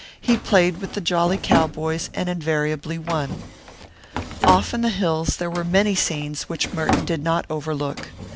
He played with the jolly cowboys and invariably won. Off in the hills there were many scenes which Merton did not overlook.